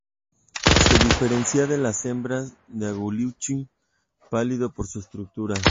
Se diferencia de las hembras de aguilucho pálido por su estructura.